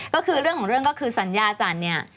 ก็คือเรื่องของเรื่องก็คือสัญญาจันทร์เนี่ย